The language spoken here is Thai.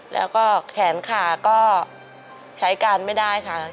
แล้วก็แขนขาก็ใช้การไม่ได้ค่ะ